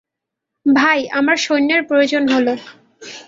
তাই আমার সৈন্যের প্রয়োজন হলো।